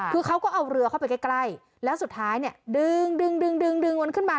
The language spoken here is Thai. คือเขาก็เอาเรือเข้าไปใกล้แล้วสุดท้ายเนี่ยดึงดึงดึงมันขึ้นมา